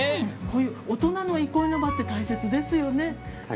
こういう大人の憩いの場って大切ですよね。